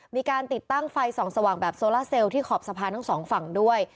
มีการติดตั้งไฟส่องสว่างแบบโซล่าเซลที่ขอบสะพานทั้งสองฝั่งด้วย